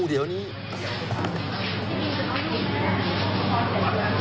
อ้าวเดี๋ยวเราลองไปดูอีกมุมหนึ่งนะครับ